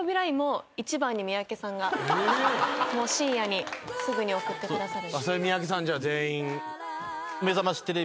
深夜にすぐに送ってくださる。